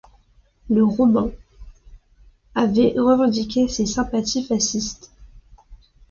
Le Romain avait revendiqué ses sympathies fascistes.